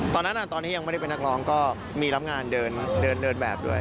ตอนนั้นตอนที่ยังไม่ได้เป็นนักร้องก็มีรับงานเดินแบบด้วย